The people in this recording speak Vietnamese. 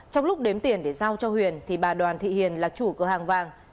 trong lúc đếm tiền để giao cho huyền thì bà đoàn thị hiền là chủ cửa hàng vàng